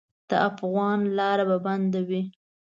د افغان لاره به بندوي.